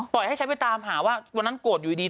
ให้ฉันไปตามหาว่าวันนั้นโกรธอยู่ดี